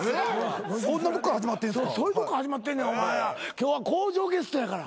今日は向上ゲストやから。